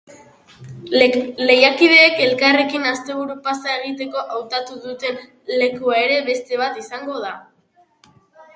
Lehiakideek elkarrekin asteburu-pasa egiteko hautatu duten lekua ere beste bat izango da.